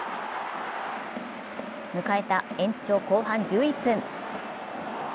迎えた延長後半１１分。